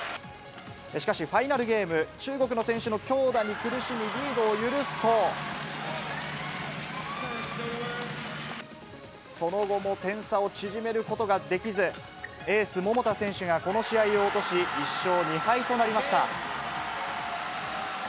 しかし、ファイナルゲーム、中国の選手の強打に苦しみ、リードを許すと。その後も点差を縮めることができず、エース、桃田選手がこの試合を落とし、１勝２敗となりました。